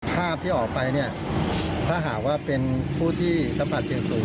ภาพที่ออกไปเนี่ยถ้าหากว่าเป็นผู้ที่สัมผัสเสี่ยงสูง